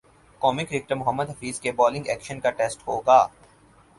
قومی کرکٹر محمد حفیظ کے bowling action کا ٹیسٹ ہو گا